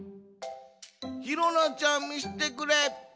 ひろなちゃんみしてくれ。